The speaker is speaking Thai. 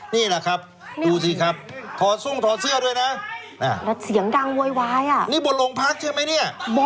โน้ทนึงมากเลย